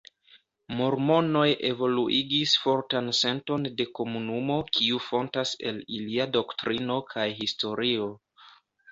Mormonoj evoluigis fortan senton de komunumo kiu fontas el ilia doktrino kaj historio.